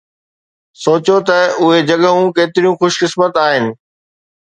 سوچيو ته اهي جڳهون ڪيتريون خوش قسمت آهن